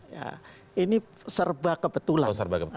ya ini serba kebetulan